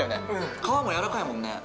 皮もやわらかいもんね